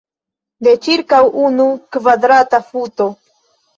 De ĉirkaŭ unu kvadrata futo.